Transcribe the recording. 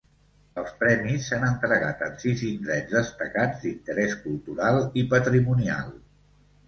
Els premis s’han entregat en sis indrets destacats d’interès cultural i patrimonial.